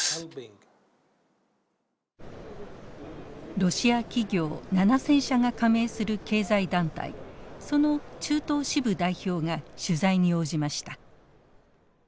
ロシア企業７，０００社が加盟する経済団体その中東支部代表が取材に応じました。